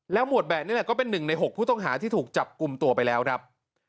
หมวดแบะนี่แหละก็เป็น๑ใน๖ผู้ต้องหาที่ถูกจับกลุ่มตัวไปแล้วครับ